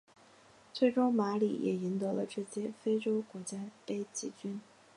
最终马里也赢得了这届非洲国家杯季军。